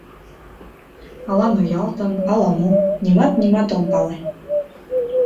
— Ала ноялтын, ала-мо, нимат-нимат ом пале.